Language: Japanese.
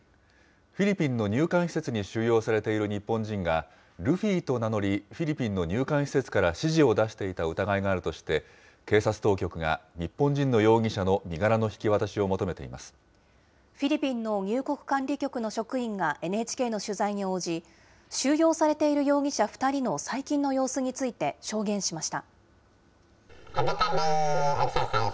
フィリピンの入管施設に収容されている日本人が、ルフィと名乗りフィリピンの入管施設から指示を出していた疑いがあるとして、警察当局が日本人の容疑者の身柄の引き渡しを求めてフィリピンの入国管理局の職員が、ＮＨＫの取材に応じ、収容されている容疑者２人の最近の様子について証言しました。